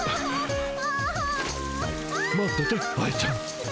待ってて愛ちゃん。